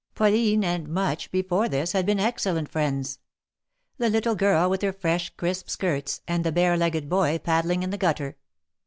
Pauline and Much before this, had been excellent friends — the little girl with her fresh, crisp skirts, and the bare legged boy paddling in the gutter.